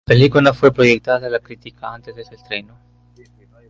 La película no fue proyectada a la crítica antes de su estreno.